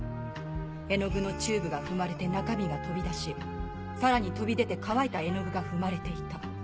絵の具のチューブが踏まれて中身が飛び出しさらに飛び出て乾いた絵の具が踏まれていた。